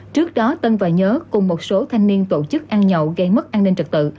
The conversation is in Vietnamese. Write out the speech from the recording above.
trước đó tân và nhớ cùng một số thanh niên tổ chức ăn nhậu gây mất an ninh trật tự